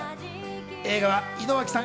映画は井之脇さん